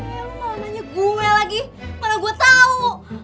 mel lu malah nanya gue lagi mana gue tau